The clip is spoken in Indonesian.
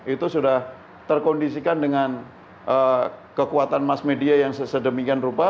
itu sudah terkondisikan dengan kekuatan mass media yang sedemikian rupa